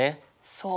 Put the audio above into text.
そう。